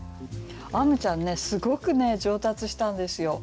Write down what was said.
あむちゃんねすごくね上達したんですよ。